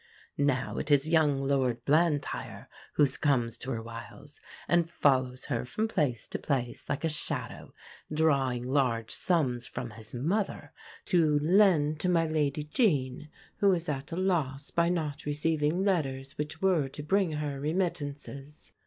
Now it is young Lord Blantyre who succumbs to her wiles, and follows her from place to place like a shadow, drawing large sums from his mother to "lend to my Lady Jean, who is at a loss by not receiving letters which were to bring her remittances."